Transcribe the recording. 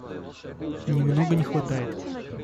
Немного не хватает.